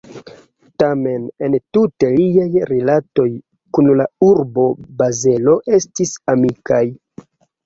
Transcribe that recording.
Tamen entute liaj rilatoj kun la urbo Bazelo estis amikaj.